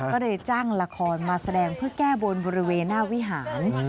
ก็เลยจ้างละครมาแสดงเพื่อแก้บนบริเวณหน้าวิหาร